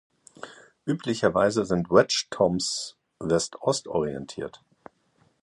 Üblicherweise sind Wedge Tombs West-Ost orientiert.